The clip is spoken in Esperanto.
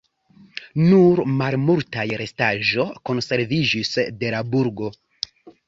Nur malmultaj restaĵo konserviĝis de la burgo.